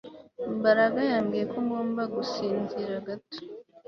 Mbaraga yambwiye ko ngomba gusinzira gato